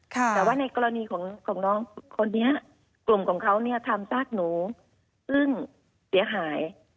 แต่ว่าในกรณีของน้องคนนี้กลุ่มของเขาเนี่ยทำซากหนูซึ่งเสียหาย